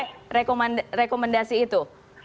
jadi ini adalah rekomendasi itu